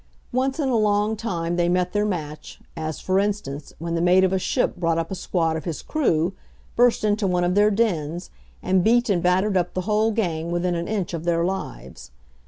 Once in a long time they met their match; as, for instance, when the mate of a ship brought up a squad of his crew, burst into one of their dens, and beat and battered up the whole gang within an inch of their lives.